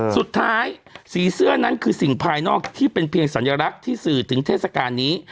สีเสื้อนั้นคือสิ่งภายนอกที่เป็นเพียงสัญลักษณ์ที่สื่อถึงเทศกาลนี้